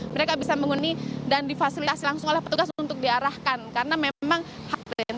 mereka bisa menghuni dan difasilitasi langsung oleh petugas untuk diarahkan karena memang hak dan